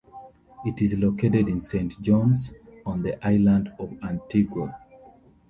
It is located in Saint John's, on the island of Antigua.